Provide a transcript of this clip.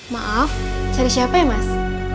maaf cari siapa ya mas